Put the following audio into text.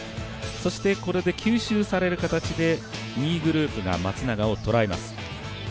そして、吸収される形で２位グループが松永を捉えます。